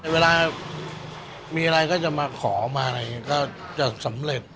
เวลามีอะไรก็จะมาขอมาอะไรอย่างนี้ก็จะสำเร็จ